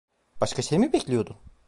Başka şey mi bekliyordun?